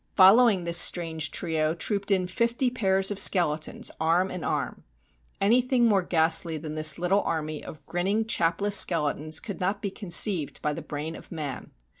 Following this strange trio, trooped in fifty pairs of skeletons arm in arm. Anything more ghastly than this little army of grinning, chapless skeletons could not be conceived by the brain of man.